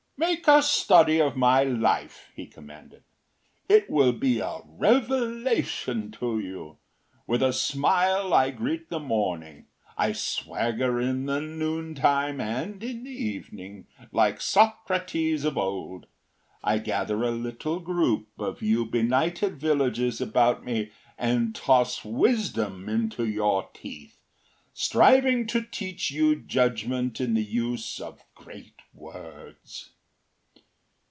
“Make a study of my life,” he commanded. “It will be a revelation to you. With a smile I greet the morning; I swagger in the noontime; and in the evening, like Socrates of old, I gather a little group of you benighted villagers about me and toss wisdom into your teeth, striving to teach you judgment in the use of great words.